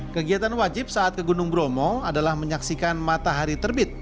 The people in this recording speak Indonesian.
kegiatan wajib saat ke gunung bromo adalah menyaksikan matahari terbit